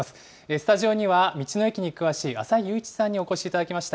スタジオには道の駅に詳しい浅井佑一さんにお越しいただきました。